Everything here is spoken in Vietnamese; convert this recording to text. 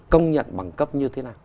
công nhận bằng cấp như thế nào